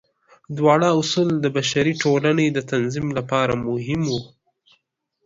دواړه اصول د بشري ټولنې د تنظیم لپاره مهم وو.